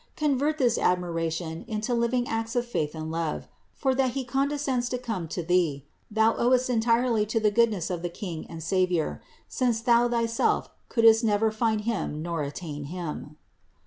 Convert this admiration into living acts of faith and love; for, that He condescends to come to thee, thou owest entirely to the goodness of the King and Savior, since thou thyself couldst never find Him nor attain Him.